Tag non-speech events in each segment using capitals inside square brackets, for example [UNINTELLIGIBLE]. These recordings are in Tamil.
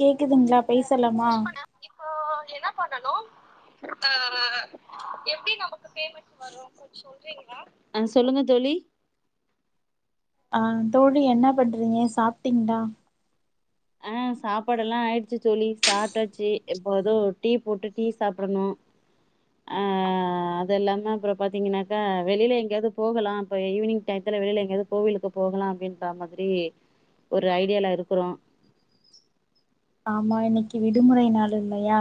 கேக்துங்ளா பேசலாமா இப்போ என்ன பண்ணணு ஆ எப்டி நமக்கு பேமென்ட் வரு அ சொல்லுங்க தோழி ஆ தோழி என்ன பண்றீங்க சாப்ட்டீங்ளா ஆ சாப்பாடெல்லா ஆயிடிச்சி தோழி சாப்ட்டாச்சி இப்ப தோ டீ போட்டு டீ சாப்டனு ஆ அதெல்லாம அப்றோ பாத்தீங்கனாக்கா வெளியில எங்கேயாது போகலா அப்ப ஈவினிங் டயத்தில வெளில எங்கேயாது கோவிலுக்கு போகலா அப்டின்ற மாதிரி ஒரு ஐடியால இருக்றோ ஆமா இன்னைக்கு விடுமுறை நாள் இல்லயா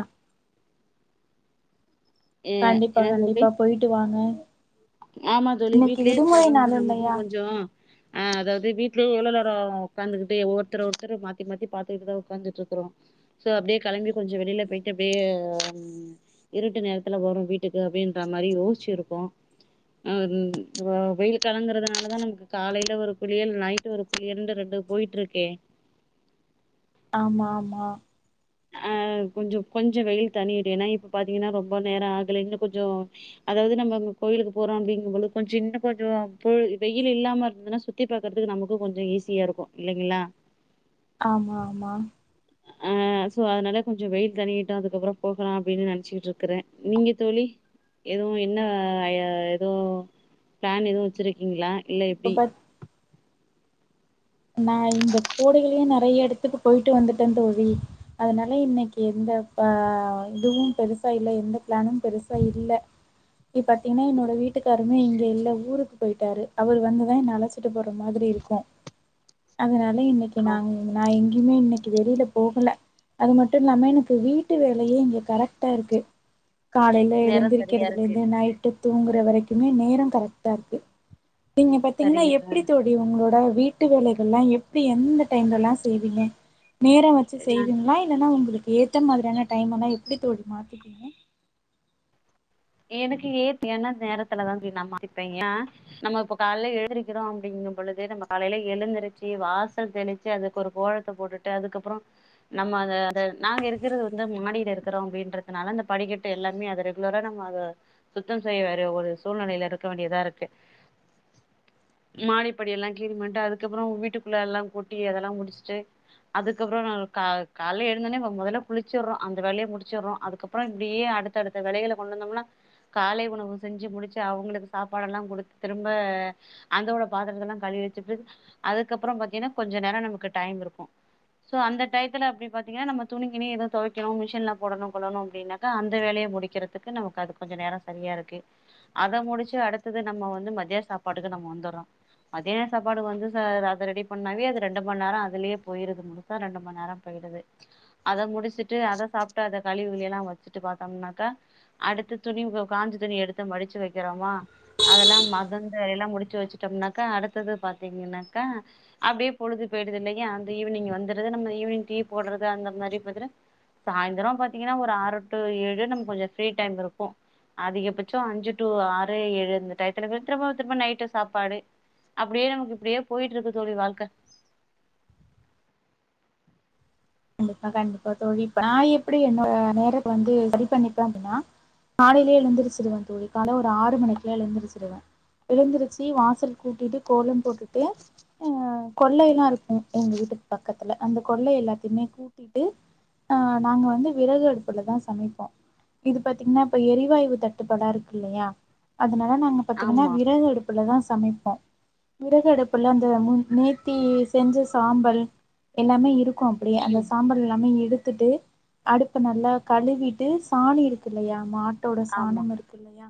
ஏ கண்டிப்பா என்ன தோழி கண்டிப்பா போய்ட்டு வாங்க ஆமா தோழி இன்னைக்கு வீட்லே விடுமுறை இருக்கறது வந்து நாள் நமக்கூ இல்லையா கொஞ்சோ அ அதாவது வீட்லே எவ்ளோ நேரோ ஒக்காந்துக்கிட்டு ஒர்த்தர ஒருத்தரு மாத்தி மாத்தி பாத்துக்கிட்டுதா ஒக்காந்துட்டு இருக்றோ ஸோ அப்டே கெளம்பி கொஞ்ச வெளில போய்ட்டு அப்டே இருட்டு நேரத்துல வரு வீட்டுக்கு அப்டின்ற மாரி யோசிச்சு இருக்கோ அ வ வெயில் காலங்கறதுனால தா நமக்கு காலைல ஒரு குளியல் நைட்டு் ஒரு இருண்டு ரெண்டு போயிட்டுருக்கே ஆமா ஆமா ஆ கொஞ்ச கொஞ்சொ வெயில் தணியட்டு ஏன்னா இப்ப பாத்தீங்கன்னா ரொம்ப நேரோ ஆகல இன்னு கொஞ்சோ அதாவது நம்மகோயிலுக்கு போறோ அப்டிங்கும்போ கொஞ்ச இன்னு கொஞ்சொ வெயில்லாம இருந்ததுன்னா சுத் தி பாக்கறதுக்கு நமக்கூ கொஞ்சோ ஈஸியாருக்கு இல்லைங்களா ஆமா ஆமா அ சோ அதனால கொஞ்சோ வெயில் தணியட்டு அதுக்கப்றோ போகலா அப்டின்னு நெனச்சுக்கிட்டு இருக்றே நீங்க தோழி எதூ என்ன எதோ பிளான் எதும் வச்சிருக்கீங்களா இல்ல இப்ப எப்டி பாத் நா இந்த கோடயிலு நெறையா எடத்துக்கு போயிட்டு வந்துட்ட தோழி அதனால இன்னிக்கு எந்த ப இதுவு பெருசா இல்ல எந்த பிளானு பெருசா இல்ல இ பாத்தீங்னா என்னோட வீட்டுக்காருமே இங்க இல்ல ஊருக் போயிட்டாரு அவரு வந்துதா என்ன அழச்சிட்டு போற மாதிரி இருக்கு அதனால இன்னிக்கு ஆ நானு நா எங்கேயுமே இன்னிக்கு வெளில போகல அது மட்டுமில்லாம எனக்கு வீட்டு வேலயே இங்க கரெக்டா இருக்கு காலைல நேரோ சரியா இருக்கு எழுந்திருக்கிறதுலேந்து நைட்டு தூங்குற வரைக்குமே நேரோ கரெக்ட்டாருக்கு நீங்க பாத்தீங்னா எப்டி தோழி உங்களோட வீட்டு வேலை ல்லா எப்டி எந்த டைம்லலா செய்வீங்க நேர வச்சு செய்வீங்ளா இல்லனா ஒங்களுக்கு ஏத்த ஏத்த மாதிரியான டைமெல்லா எப்டி தோழி மாத்தீப்பீங்க எனக்கு ஏத்த என்ன நேரத்துலதா நா மாத்திப்ப ஏ [INAUDIBLE] ந நம்ம இப்ப காலைல எழுந்திர்க்கிறோ அப்டிங்குபொழுது நம்ம காலைல எழுந்திருச்சு வாசல் தெளிச் சி அதுக்கொரு கோலத்த போட்டுட்டு அதுக்கப்றோ நம்ம அத நாங்க இருக்கிறது வந்து மாடில இருக்கிறோ அப்டின்றதுனால அந்த படிக்கட்டு எல்லாமே அத ரெகுலரா அத சுத்தம் செய்ய வேற ஒரு சூழ்நிலையில இருக்க வேண்டியதா இருக்கு மாடிப்படிய எல்லா கிளீன் பண்ணிட்டு அதுக்கப்றோ வீட்டுக்குள்ள எல்லா கொட்டி அதெல்லா முடிச்சுட்டு அதுக்கப்புறோ ந க கால்ல எழுந்தோனே மொதல்ல குளிச்சர்ரோ அந்த வேலைய முடிச்சர்ரோ அதுக்கப் அப்றோ இப்டியே அடுத்த அடுத்த வேலைகல கொண்டு வந்தம்னா காலை உணவு செஞ்சு முடிச்சு அவங்களுக்கு சாப்பாடுல்லா குடுத்து திரும்ப அந்தோட பாத்தரத்த எல்லா கழுவிவச்சுட்டு அதுக்கப்புறோ பாத்தீங்கன்னா கொஞ்ச நேரோ நமக்கு டைம் இருக்கு சோ அந்த டையத்துல அப்டி பாத்திங்கனா நம்ம துணி கிணி எதூ துவைக்கணு மிஷின்ல போடணு கொல்லணு அப்டின்னா அந்த வேலைய முடிக்கறதுக்கு நமக்கு அதுக்கு கொஞ்ச நேரோ சரியா இருக்கு அத முடிச்சு அடுத்தது நம்ம வந்து மதிய சாப்பாட்டுக்கு நம்ம வந்தர்றோ மதியான சாப்பாடு வந்து ச அத ரெடி பண்ணவே அது ரெண்டு மண் நேரோ அதுலே போயிருது முழு சா ரெண்டு மண் நேரோ போய்டுது அத முடிச்சுட்டு அத சாப்ட்டு அத கழுவிவுலிய எல்லா வச்சுட்டு பாத்தம்னாக்கா அடுத்து துணி காஞ்ச துணி எடுத்து மடிச்சு வக்கிறோமா அதெல்லா மதந்து எல்லா முடிச்சு வச்சுட்டம்னாக்கா அடுத்தது பாத்தீங்கன்னாக்கா அப்டியே பொழுது போய்டுது இல்லையா அந்த ஈவினிங் வந்துருது நம்ம ஈவினிங் டீ போட்றது அந்த மாரி பாத்தினா சாய்ந்திர பாத்தீங்கன்னா ஒரு ஆறு டு ஏழு நம்ம கொஞ்ச ஃப்ரீ டைம் இருக்கு அதிகபட்ச அஞ்சு டூ ஆறு ஏழு இந்த டையத்துல திரும்ப திரும்ப நைட்டு சாப்பாடு அப்டியே நமக்கு இப்டியே போயிட்டு இருக்கு தோழி வாழ்க்க கண்டிப்பா கண்டிப்பா தோழி இப்ப நா எப்டி என்னோட நேரத்த வந்து சரி பண்ணிப்ப அப்டினா காாலைலயே எழுந்திருச்சிருவ தோழி கால்ல ஒரு ஆறு மணிக்குலா எழுந்திருச்சிருவ எழுந்திருச்சி வாசல் கூட்டிட்டு கோலம் போட்டுட்டு அ கொள்ளைய எல்லா இருக்குங் எங்க வீட்டுக்கு பக்கத்துல அந்த கொள்ளை எல்லாத் என்மே கூட்டிட்டு அ நாங்க வந்து விறகு அடுப்புலதா சமைப்போ இது பாத்தீங்ன்னா இப்ப எரிவாயு தட்டுப்பாடா இருக்கு இல்லையா அதனால நாங்க பாத்தீங்ன்னா ஆமா விறகு அடுப் பளதா சமைப்போ விறகு அடுப்புல அந்த மு நேத்தி செஞ்ச சாம்பல் எல்லாமே இருக்கு அப்டியே அந்த ம் சாம்பால் எல்லாமே எடுத்துட்டு அடுப்ப நல்லா கழுவிட்டு சாணி இருக்கு இல்லையா மாட்டோட ஆமா சாணம் இருக்கு இல்லையா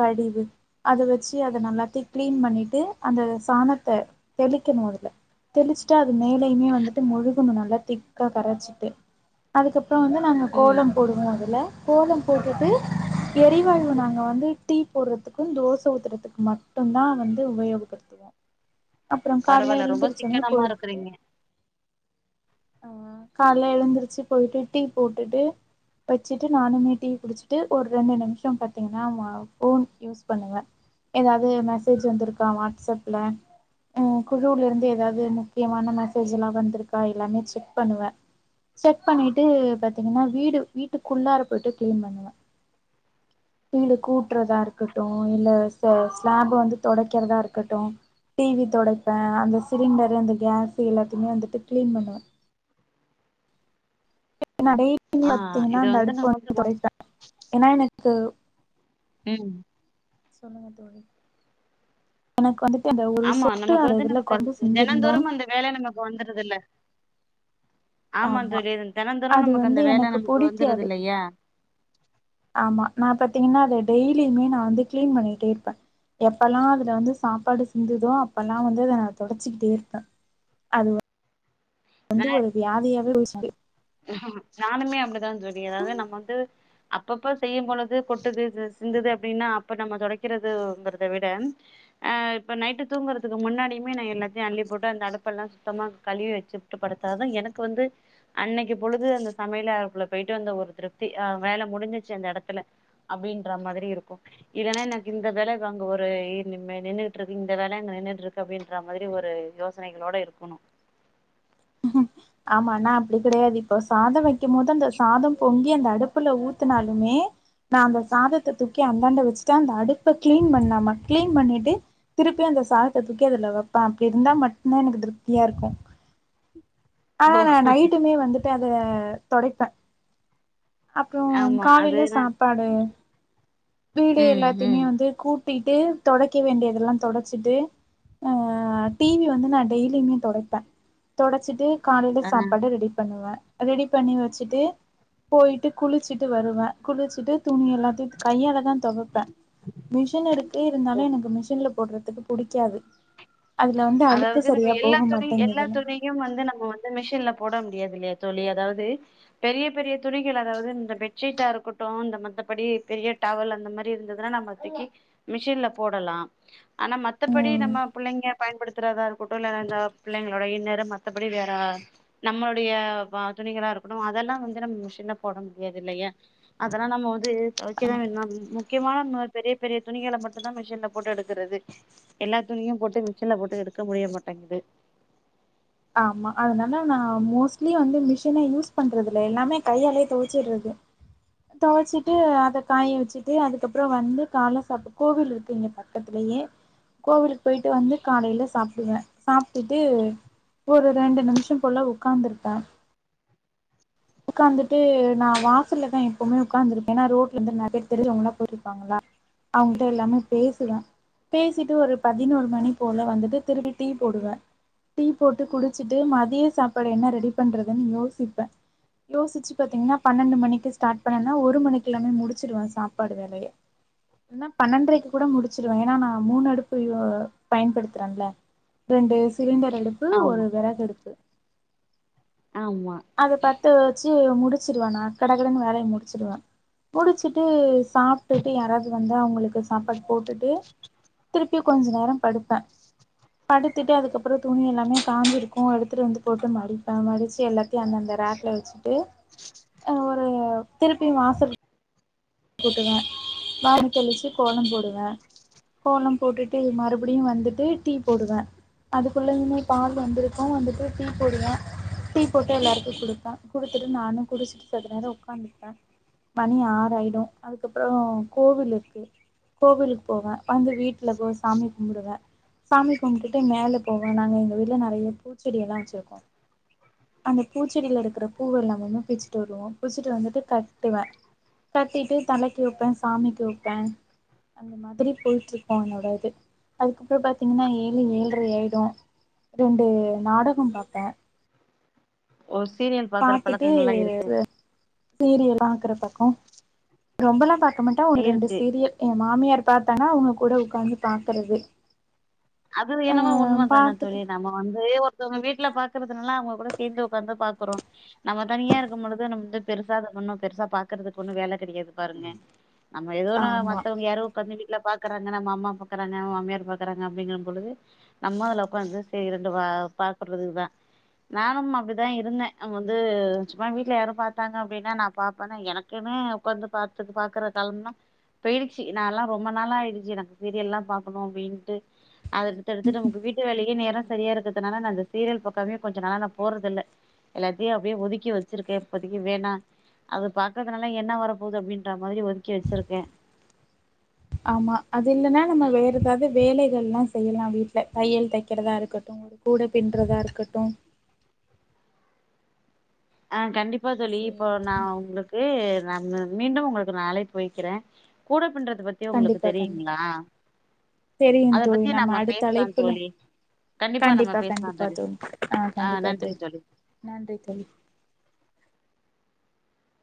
படிவு அத வச்சு அத நல்லாத்தையு கிளீன் பண்ணிட்டு அந்த சாணத்த தெளிக்கணு அதுல தெளிச்சுட்டு அது மேலையுமே வந்துட்டு மொழுகணு நல்ல திக்கா கரச்சிட்டு அதுக்கப்புற வந்து நாங்க ம் கோலம் போடுவோ அதுல கோலம் போட்டுட்டு எரிவாயுவ நாங்க வந்து டீ போடுறதுக்கு தோச ஊத்துறதுக்கு மட்டு ட்டுந்தா வந்து உபயோகப்படுத்துவோ அப்பற கால்ல பரவால்ல ரொம்ப எழுந்தச்சோடனே சிக்கனமா போயிட் இருக்குறீங்க ஆ கால்ல எழுந்திருச்சு போயிட்டு டீ போட்டுட்டு வச்சுட்டு நானுமே டீ குடிச்சிட்டு ஒரு ரெண்டு நிமிஷ பாத்தீங்கன்னா ஃபோன் யூஸ் பண்ணுவ எதாது மெசேஜ் வந்திருக்கா வாட்ஸ்அப்ல அ குழுலேருந்து எதாது முக்கியமான மெசேஜ் எல்லா வந்திருக்கா எல்லாமே செக் பண்ணுவ செக் பண்ணிட்டு பாத்தீங்கன்னா வீடு வீட்டுக்குள்ளார போய்ட்டு கிளீன் பண்ணுவ வீடு கூட்றதா இருக்கட்டு இல்ல ஸ் ஸ்லாப் வந்து தொடைக்கிறதா இருக்கட்டு டிவி தொடைப்ப அந்த சிலிண்டரு அந்த கேஸ் எல்லாத்தையுமே வந்துட்டு கிளீன் பண்ணுவ நடை ஆ பாத்தீங்கன்னா இது அந்த அடுப்பு நம்ம வந்து ஒ- தொடைப்பே ஏனா எனக்கு ம் சொல்லுங்க தோழி எனக்கு வந்துட்டு இந்த ஒரு ஆமா சொட்டு நமக்கு அந்த வந்து இதுல நமக்கு கொழம்பு சிந்திருந்தா தினந்தோறும் அந்த வேல நமக்கு வந்துருதுல்ல ஆமா தோழி இது தினந்தோறும் அது நமக்கு வந்து அந்த வேல எனக்கு நமக்கு வந்துருது புடிக்காது இல்லையா ஆமா நா பாத்தீங்கன்னா அத டெய்லியுமே நா வந்து கிளீன் பண்ணிட்டே இருப்பே எப்பல்லா அதுல வந்து சாப்பாடு சிந்துதோ அப்பெல்லா வந்து அத நா தொடச்சிக்கிட்டே இருப்பே அதுவ அது வந்து ஒரு வியாதியாவே போய்ச்சு நானுமே அப்டிதா தோழி அதாது நம்ம வந்து அப்பப்ப செய்யு போழுது கொட்டுது சிந்துது அப்டின்னா அப்ப நம்ம தொடைக்கிறதுங்கறத விட இப்ப நைட்டு தூங்குறதுக்கு முன்னாடியுமே நா எல்லாத்தையு அள்ளி போட்டு அந்த அடுப்பெல்லா சுத்தமாக கழுவி வச் சிட்டு படுத்தாத தா எனக்கு வந்து அன்னைக்கு பொழுது அந்த சமையலக்குள்ள போயிட்டு வந்த ஒரு திருப்தி வேல முடிஞ்சிச்சு அந்த எடத்துல அப்படின்ற மாதிரி இருக்கு இல்லன்னா எனக்கு இந்த வேல அங்க ஒரு நின்னுட்டு இருக்கு இந்த வேல அங்க நின்னுட்டு இருக்கு அப்படின்ற மாதிரி ஒரு யோசனைகளோட இருக்கணு ஆமா நா அப்டி கெடையாது இப்போ சாத வைக்கும் போது அந்த சாத பொங் கி அந்த அடுப்புல ஊத்துனாலுமே நா அந்த சாதத்த தூக்கி அந்தாண்ட வச்சுட்டு அந்த அடுப்ப கிளீன் பண்ணாமா கிளீன் பண்ணிட்டு திருப்பி அந்த சாதத்த தூக்கி அதுல வைப்ப அப்டி இருந்தா மட்டுந்தா எனக்கு திருப்தியா இருக்கு ஆனா ஓ நான் நைட்டுமே வந்துட்டு அத தொடைப்ப அப்புறோ ஆமா காலேல அது நா சாப்பாடு வீடு ம் எல்லாத்திமே ம் வந்து கூட்டிட்டு தொடைக்க வேண்டியதுலா தொடச்சிட்டு ஆ டி வி வந்து நான் டெய்லியுமே தொடப்ப தொடச்சிட்டு காலேல ஆ சாப்பாடு ரெடி பண்ணுவ ரெடி பண்ணி வச்சுட்டு போய்ட்டு குளிச்சிட்டு வருவ குளிச்சிட்டு துணி எல்லாத்யு கையாலதா தொவப்ப மிஷின் இருக்கு இருந்தாலு எனக்கு மிஷின்ல போட்றதுக்கு பிடிக்காது அதுல வந்து அழுக்கு சரியா போக மாட்டேங்குதுன்னு துணியு வந்து நம்ம வந்து மிஷின்ல போட முடியாது இல்லையா தோழி அதாவது பெரிய பெரிய துணிகள் அதாவ்து இந்த பெட்ஷீட்டா இருக்கட்டு இந்த மத்தபடி பெரிய டவல் அந்த மாரி இருந்ததுனா நம்ம தூக்கி மிஷின்ல போடலா ஆனா மத்தபடி ம் நம்ம புள்ளைங்க பயன்படுத்துறதா இருகுட்டு இல்ல இந்த பிள்ளைங்குளோட இன்னரு மத்தபடி வேற நம்மளுடைய பா துணிகளா இருக்கட்டு அதெல்லா வந்து நம் மிஷின்ல போட முடியாது இல்லையா அதெல்லா நம்ம வந்து ஆமா தொவைக்கதான வேணம் ம் முக்கியமான ம பெரிய பெரிய துணிகள மட்டுந்தா மிஷின்ல போட்டு எடுக்குறது எல்லா துணியு போட்டு மிஷின்ல போட்டு எடுக்க முடிய மாட்டேங்குது ஆமா அதனால நான் மோஸ்ட்லி வந்து மிஷினே யூஸ் பண்றது இல்ல எல்லாமே கையாலயே தொவச்சிட்றது தொவச்சிட்டு அத காய வச்சுட்டு அதுக்கப்றோ வந்து கால்ல சாப்டு கோவில் இருக்கு இங்க ப பக்கத்துலயே கோவிலுக் போய்ட்டு வந்து காலேல சாப்டுவ சாப்டுட்டு ஒரு ரெண்டு நிம்ஷோ போல உடக்காந்துருப்ப உக்காந்துட்டு நான் வாசல்லதான் எப்பமே உக்காந்திருப்பனா ரோட்ல வந்து நெறைய தெரிஞ்சவ்ங்ளா போய்ட்ருப்பாங்களா அவ்ங்ட்ட எல்லாமே பேசுவ பேசிட்டு ஒரு பதினோரு மணி போல வந்துட்டு திரும்பி டீ போடுவ டீ போட்டு குடிச்சிட்டு மதிய சாப்பாடு என்ன ரெடி பண்ணுறதுன் யோசிப்ப யோசிச்சு பாத்தீங்னா பணண்டு மணிக்கு ஸ்டாட் பண்ணனா ஒரு மணிக்கெல்லாமே முடிச்சுருவ சாப்பாடு வேலைய இல்னா பணண்ட்ரைக்கு கூட முடிச்சிடுவ ஏனா நான் மூணு அடுப்புயு பயன்படுத்துறன்ல ரெண்டு சிலிண்டர் அடுப்பு ஆமா ஒரு வெறகடுப்பு ஆமா அத பத்த வச்சு முடிச்சுருவ நா கடக்கடன்னு வேலைய முடிச்சுடுவ முடிச்சிட்டு சாப்ட்டுட்டு யாராவ்து வந்தா அவுங்குளுக்கு சாப்பாடு போட்டுட்டு திருப்பியு கொஞ்ச நேரம் படுப்ப படுத்துட்டு அதுக்கப்புறோ துணி எல்லாமே காஞ்சிருக்கு எடுத்துட்டு வந்து போட்டு மடிப்ப மடிச்சு எல்லாத் தியு அந்தந்த ரேக்ல வச்சுட்டு அ ஒரு திருப்பியு வாசல் கூட்டுவ வாச தெளிச்சு கோலம் போடுவ கோலம் போட்டுட்டு மறுபடியு வந்துட்டு டீ போடுவ அதுக்குள்ளயுமே பால் வந்திருக்கு வந்துட்டு டீ போடுவ டீ போட்டு எல்லாருக்கு குடுப்ப குடுத்துட்டு நானு குடிச்சிட்டு செத்தத நேரோ உக்காந்துர்ப்ப மணி ஆறாய்டு அதுக்கப்புறோ கோவிலுக்கு கோவிலுக் போவ வந்து வீட்ல போய் சாமி கும்டுவ சாமி கும்டுட்டு மேலே போவோ நாங்க எங்க வீட்ல நெறைய பூச்செடியெல்லா வச்சுருக்கோ அந்த பூச்செடில இருக்குற பூவு எல்லாவெமு பிச்சிட்டு வருவோ பிச்சிட்டு வந்துட்டு கட்டுவ கட்டிட்டு தலைக்கு வப்ப சாமிக்கு வப்ப அந்த மாதிரி போய்ட்ருக்கு என்னோட இது அதுக்கப்றோ பாத்தீங்னா ஏழு ஏழ்ட்ரை ஆய்டு ரெண்டு நாடக பாப்பே ஒ சீரியல் பாக்குற பாத்துட்டு பழக்கங்கள்லா இருக்கு [UNINTELLIGIBLE] சீரியல் பாக்கற பக்கோ ரொம்பல்லா பாக்க மாட்டா ஒரு ரெண்டு இருக்கு சீரியல் என் மாமியார் பாத்தாங்னா அவுங்க கூட உக்காந்து பாக்குறது அது ஆ என்னமோ உண்ம தானே தோழி பாத்துட்டு நம்ம வந்து ஒரு த்தவங்க வீட்டுல பாக்கறதுனால அவுங்க கூட சேந்து உக்காந்து பாக்குறோ நம்ம தனியா இருக்கு பொழுது நம்ம வந்து பெருசா அத ஒன்னு பெருசா பாக்குறதுக்கு ஒண்ணு வேல கெடையாது பாருங்க நம்ம ஏதோ ந ஆமா மத்தவங்க யாரோ உக்காந்து வீட்ல பாக்கறாங்க நம அம்மா பாக்கறங்க நம்ம மாமியார் பாக்கறாங்க அப்டிங்கற பொழுது நம்ம அதுல உக்காந்து சேரி ரெண்டு பா பாக்குறதுக்கு தா நானு அப்டிதா இருந்தே அங்க வந்து சும்மா வீட்டல யாரு பாத்தாங்க அப்டின்னா நா பாப்பே எனக் குனே உக்காந்து பாத்துக்கு பாக்குற காலம்ல போய்டுச்சு நால்லா ரொம்ப நாள் ஆய்டுச்சு எனக்கு சீரியல்லா பாக்கணு அப்டின்ட்டு அது அடுத்துடுத்து நமக்கு வீட்டு வேலையே நேரோ சரியா இருக்கதுனால நா அந்த சீரியல் பக்கமே கொஞ்ச நாள நா போறதில்ல எல்லாத்தையு அப்டியே ஒதுக்கி வச்சிருக்கே இப்போதைக்கு வேணா அது பாக்கறதுனால என்ன வர போது அப்டின்ற மாரி ஒதுக்கி வச்சிருக்கே ஆமா அது இல்லைன்னா நம்ம வேற எதாவ்து வேலைகல்லா செய்யலா வீட்டுல தையல் தைக்கிறதா இருக்கட்டு கூட பின்றதா இருக்கட்டு ஆ கண்டிப்பா தோழி இப்ப சரி நா தோழி. உங்களுக் கு ந ந மீண்டு உங்களுக்கு நா அழைப்பு வைக்கிறே கூட பின்றத பத் தி உங்களுக்கு தெரியுங்ளா தெரியு தோழி நம்ம அடுத்த பேசலா அழைப்புல தோழி கண்டிப்பா கண்டிப்பா தோழி ஆ கண்டிப்பா தோழி நன்றி தோழி